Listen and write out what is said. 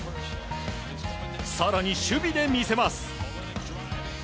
更に、守備で見せます。